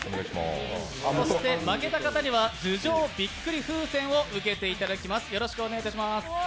そして負けた方には頭上びっくり風船を受けていただきます。